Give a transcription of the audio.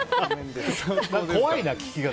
怖いな、聞き方が。